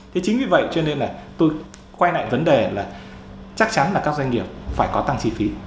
thế chính vì vậy cho nên là tôi quay lại vấn đề là chắc chắn là các doanh nghiệp phải có tăng chi phí